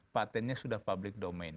patentnya sudah public domain